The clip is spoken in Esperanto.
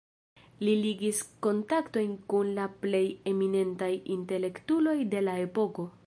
Li ligis kontaktojn kun la plej eminentaj intelektuloj de la epoko.